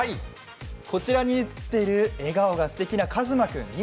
こちらに写っている笑顔がすてきなカズマ君。